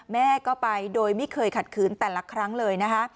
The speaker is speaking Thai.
แม่ก็ไปโดยไม่เคยขัดขืนแต่ละครั้งเลยนะคะ